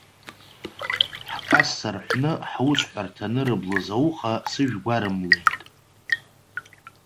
Ҳкасса рҳәны ҳусҳәарҭа анырблыз ауха сыжә гәарымлеит.